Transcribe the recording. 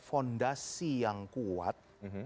fondasi yang kuat